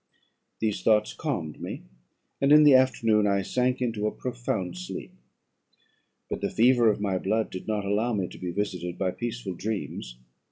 "These thoughts calmed me, and in the afternoon I sank into a profound sleep; but the fever of my blood did not allow me to be visited by peaceful dreams.